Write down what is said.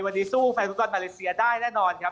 วันนี้สู้แฟนฟุตบอลมาเลเซียได้แน่นอนครับ